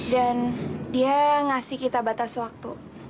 dan dia ngasih kita batas waktu